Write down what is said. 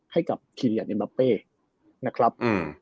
ให้กับทีเรียนเอ็มบาเปนะครับ